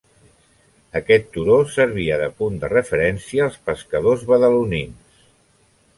Aquest turó servia de punt de referència als pescadors badalonins.